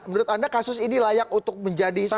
menurut anda kasus ini layak untuk menjadi